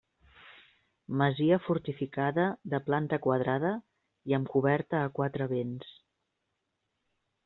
Masia fortificada, de planta quadrada i amb coberta a quatre vents.